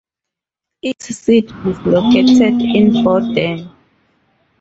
Its seat is located in Boden.